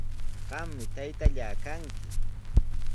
Qami taytallaa kanki.